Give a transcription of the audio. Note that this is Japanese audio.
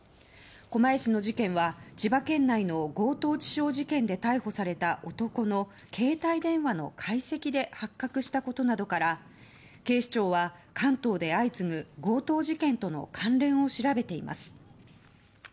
狛江市の事件は千葉県内の強盗致傷事件で逮捕された男の携帯電話の解析で発覚したことなどから警視庁は関東で相次ぐ強盗事件との関連を調べています。